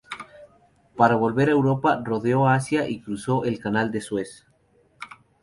Para volver a Europa rodeó Asia y cruzó el Canal de Suez.